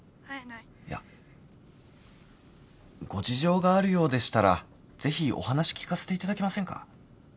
いやご事情があるようでしたらぜひお話聞かせていただけませんか？